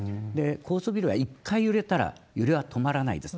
高層ビルは１回揺れたら揺れは止まらないです。